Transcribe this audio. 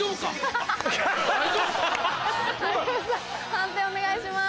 判定お願いします。